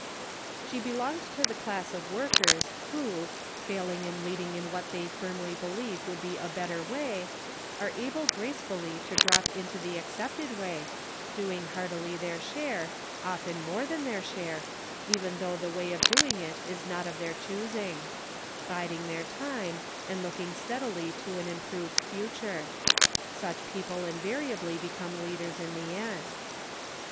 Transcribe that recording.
She belonged to the class of workers who, failing in leading in what they firmly believe would be a better way, are able gracefully to drop into the accepted way, doing heartily their share, often more than their share, even though the way of doing it is not of their choosing ; biding their time, and looking steadily to an improved future. Such people invariably become leaders in the end.